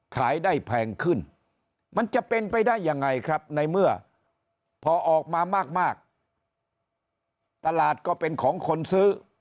ขายได้แพงขึ้นมันจะเป็นไปได้ยังไงครับในเมื่อพอออกมามากตลาดก็เป็นของคนซื้อ